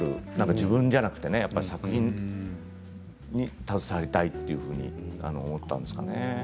自分ではなくてね作品に携わりたいというふうに思ったんですかね。